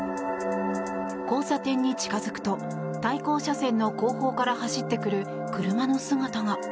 交差点に近付くと対向車線の後方から走ってくる車の姿が。